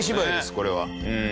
これは。